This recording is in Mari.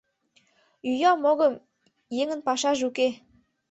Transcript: Йӱам-огым, еҥын пашаже уке...